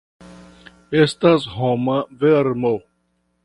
Estas homa vermo!